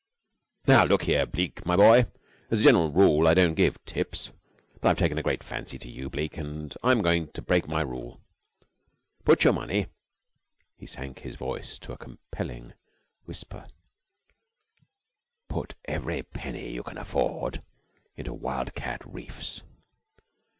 "Now, look here, Bleke, my boy, as a general rule I don't give tips But I've taken a great fancy to you, Bleke, and I'm going to break my rule. Put your money " he sank his voice to a compelling whisper, "put every penny you can afford into Wildcat Reefs."